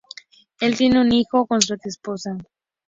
Él tiene un hijo con su ex-esposa.